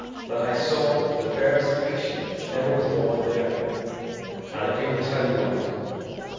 "that I saw the fairest creature that ever was born in Erin, and I came to tell you of it."